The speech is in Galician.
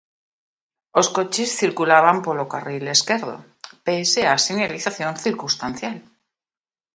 Os coches circulaban polo carril esquerdo, pese á sinalización circunstancial.